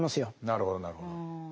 なるほどなるほど。